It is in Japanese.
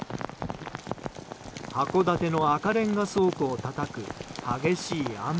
函館の赤レンガ倉庫をたたく激しい雨。